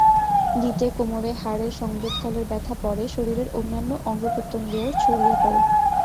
গিঁটে, কোমরে, হাড়ের সংযোগস্থলের ব্যথা পরে শরীরের অন্যান্য অঙ্গপ্রত্যঙ্গেও ছড়িয়ে পড়ে।